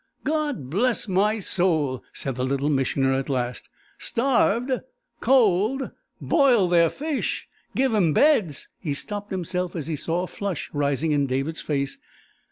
"God bless my soul!" said the Little Missioner at last. "Starved? Cold? Boil their fish? Give 'em beds!" He stopped himself as he saw a flush rising in David's face.